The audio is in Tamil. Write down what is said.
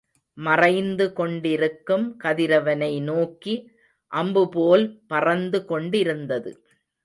மறைந்து கொண்டிருக்கும் கதிரவனை நோக்கி அம்புபோல் பறந்து கொண்டிருந்தது.